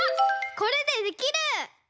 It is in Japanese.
これでできる！